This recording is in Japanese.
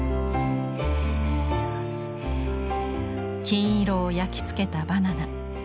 金色を焼き付けたバナナ。